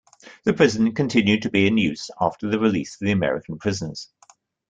The prison continued to be in use after the release of the American prisoners.